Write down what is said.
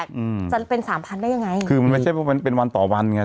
จะเป็น๓๐๐๐ได้ยังไงคือมันไม่ใช่ว่าเป็นวันต่อวันไง